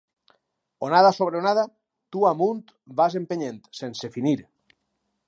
Onada sobre onada, tu amunt vas empenyent, sense finir.